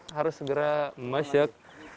harus segera masak